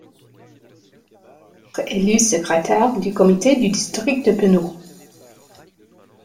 Elle est alors élue secrétaire du Comité du district de Peno.